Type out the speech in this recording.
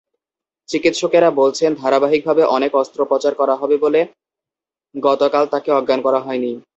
চিকিৎসকেরা বলছেন, ধারাবাহিকভাবে অনেক অস্ত্রোপচার হবে বলে গতকাল তাঁকে অজ্ঞান করা হয়নি।